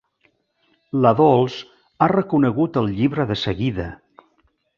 La Dols ha reconegut el llibre de seguida.